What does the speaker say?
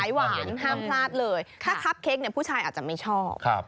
หวานห้ามพลาดเลยถ้าคับเค้กเนี่ยผู้ชายอาจจะไม่ชอบ